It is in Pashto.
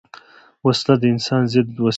وسله د انسان ضد وسیله ده